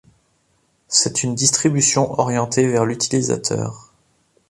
C'est une distribution orientée vers l'utilisateur.